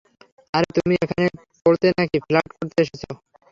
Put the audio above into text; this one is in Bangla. আরে, তুমি এখানে পড়তে নাকি ফ্লার্ট করতে এসেছো?